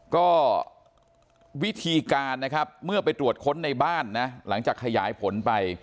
ก็วิธีการนะครับเมื่อไปตรวจค้นในบ้านนะหลังจากขยายผลไป